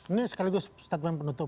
ini sekaligus statement penutup